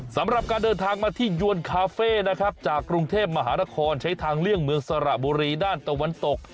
สำหรับการเดินทางมาที่ยวนคาเฟ่นะครับจากกรุงเทพมหานครใช้ทางเลี่ยงเมืองสระบุรีด้านตะวันตก